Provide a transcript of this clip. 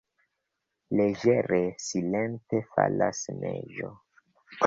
Leĝere, silente falas neĝo.